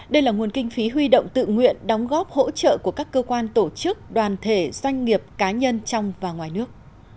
đây là nguồn kinh phí huy động tự nguyện đóng góp hỗ trợ của các cơ quan tổ chức đoàn thể doanh nghiệp cá nhân trong và ngoài nước